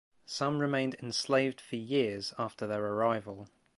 Some remained enslaved for years after their arrival.